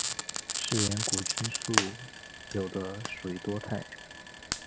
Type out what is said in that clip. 嗜盐古菌素有的属于多肽。